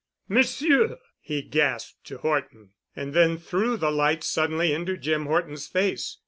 "Monsieur!" he gasped to Horton, and then threw the light suddenly into Jim Horton's face.